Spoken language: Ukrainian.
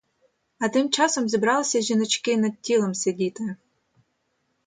А тим часом зібралися жіночки над тілом сидіти.